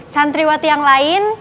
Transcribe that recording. santri watu yang lain